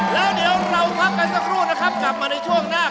แล้วเดี๋ยวเราพักกันสักครู่นะครับกลับมาในช่วงหน้า